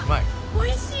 おいしい！